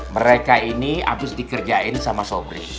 mereka ini habis dikerjain sama sobri